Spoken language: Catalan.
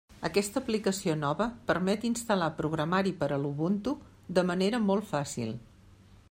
Aquesta aplicació nova permet instal·lar programari per a l'Ubuntu de manera molt fàcil.